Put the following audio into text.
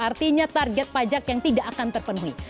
artinya target pajak yang tidak akan terpenuhi